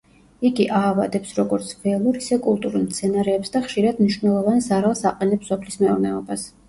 იგი აავადებს როგორც ველურ, ისე კულტურულ მცენარეებს და ხშირად მნიშვნელოვან ზარალს აყენებს სოფლის მეურნეობას.